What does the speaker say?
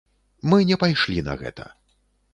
Мы не пайшлі на гэта.